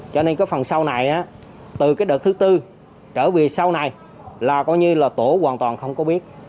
cho nên cái phần sau này từ cái đợt thứ tư trở về sau này là coi như là tổ hoàn toàn không có biết